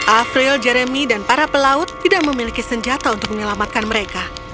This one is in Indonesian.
afril jeremy dan para pelaut tidak memiliki senjata untuk menyelamatkan mereka